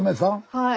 はい。